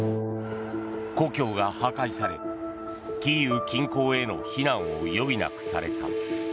故郷が破壊されキーウ近郊への避難を余儀なくされた。